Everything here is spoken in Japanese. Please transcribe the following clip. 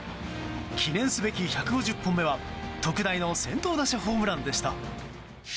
記念すべき１５０本目は特大の先頭打者ホームランでした。